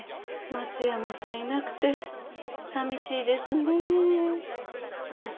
松山さんいなくてさみしいですねえ。